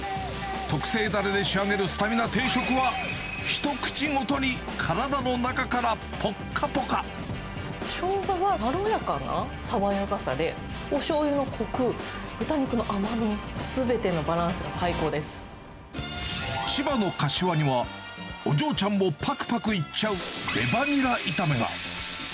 特製だれで仕上げるスタミナ定食は、一口ごとに体の中からぽっかショウガがまろやかな爽やかさで、おしょうゆのこく、豚肉の甘み、すべてのバランスが最高で千葉の柏には、お嬢ちゃんもぱくぱくいっちゃう、レバニラ炒めが。